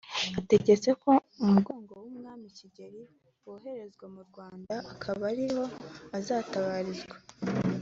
ategetse ko umugogo w’umwami Kigeli woherezwa mu Rwanda akaba ariho azatabarizwa